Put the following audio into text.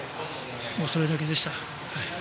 それだけでした。